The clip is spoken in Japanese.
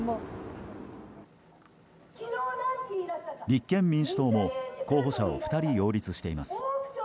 立憲民主党も候補者を２人擁立しています。